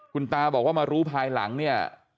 คุณตาบอกว่ามารู้ภายหลังเนี่ย